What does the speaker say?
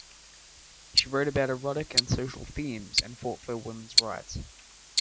She wrote about erotic and social themes and fought for women's rights.